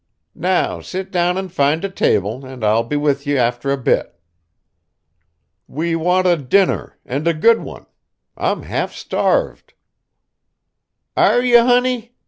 Now sit down and find a table, and I'll be with ye after a bit." "We want a dinner, and a good one. I'm half starved." "Are ye, honey?"